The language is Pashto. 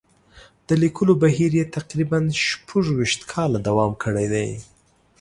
د لیکلو بهیر یې تقریباً شپږ ویشت کاله دوام کړی دی.